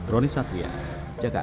roni satria jakarta